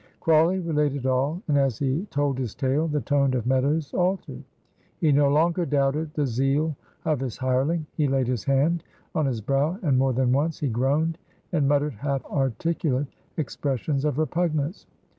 Crawley related all, and as he told his tale the tone of Meadows altered. He no longer doubted the zeal of his hireling. He laid his hand on his brow and more than once he groaned and muttered half articulate expressions of repugnance.